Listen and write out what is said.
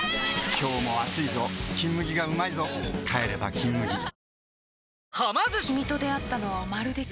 今日も暑いぞ「金麦」がうまいぞ帰れば「金麦」お？